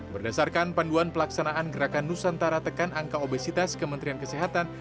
berdasarkan panduan pelaksanaan gerakan nusantara tekan angka obesitas kementerian kesehatan